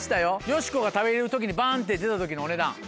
よしこが食べてる時バンって出た時のお値段。